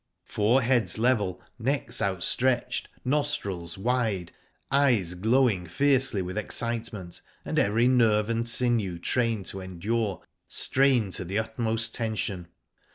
Four heads level, necks outstretched, nostrils wide, eyes glowing fiercely with excitement, and every nerve and sinew trained to endure strained to the utmost tension.